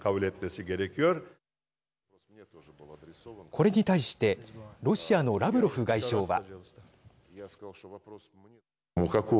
これに対してロシアのラブロフ外相は。